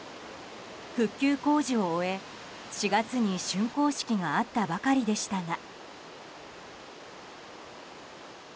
復旧工事を終え、４月に竣工式があったばかりでしたが。